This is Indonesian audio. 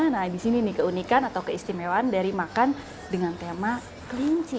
nah di sini nih keunikan atau keistimewaan dari makan dengan tema kelinci